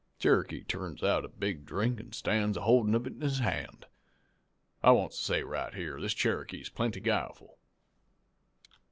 "Cherokee turns out a big drink an' stands a holdin' of it in his hand. I wants to say right yere, this Cherokee's plenty guileful.